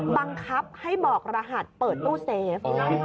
บังคับให้บอกรหัสเปิดตู้เซฟ